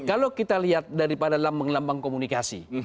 kalau kita lihat daripada lambang lambang komunikasi